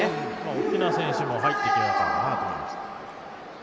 大きな選手も入ってきましたからありだと思います。